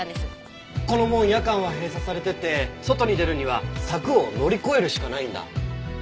この門夜間は閉鎖されてて外に出るには柵を乗り越えるしかないんだ。